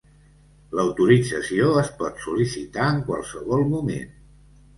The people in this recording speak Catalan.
L'autorització es pot sol·licitar en qualsevol moment.